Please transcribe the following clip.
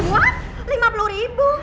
what lima puluh ribu